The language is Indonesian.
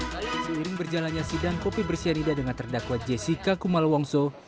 seiring berjalannya sidang kopi bersianida dengan terdakwa jessica kumalwongso